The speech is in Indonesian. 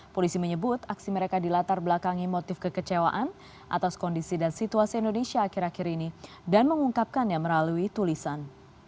polisi menyebut aksi mereka dilatar belakangi motif kekecewaan atas kondisi dan situasi indonesia akhir akhir ini dan mengungkapkannya melalui tulisan